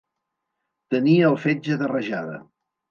Tenir el fetge de rajada.